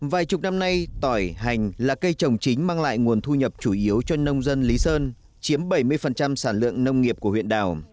vài chục năm nay tỏi hành là cây trồng chính mang lại nguồn thu nhập chủ yếu cho nông dân lý sơn chiếm bảy mươi sản lượng nông nghiệp của huyện đảo